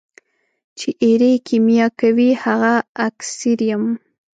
چي ایرې کېمیا کوي هغه اکسیر یم.